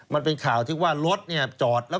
มันเป็นข่าวที่ว่ารถจอด